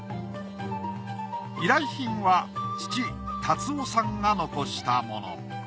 依頼品は父辰生さんが残したもの。